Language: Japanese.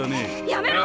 やめろ！